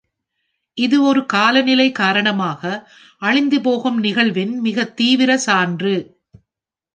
இது ஒரு காலநிலை காரணமாக அழிந்துபோகும் நிகழ்வின் மிக தீவிர சான்று.